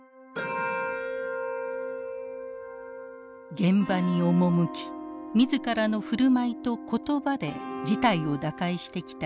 現場に赴き自らの振る舞いと言葉で事態を打開してきたエリザベス女王。